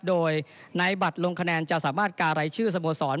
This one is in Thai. โดยในบัตรลงคะแนนจะสามารถการรายชื่อสโมสร